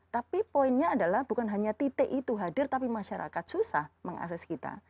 tapi poinnya adalah bukan hanya titik itu hadir tapi masyarakat susah mengakses kita